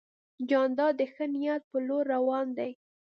جانداد د ښه نیت په لور روان دی.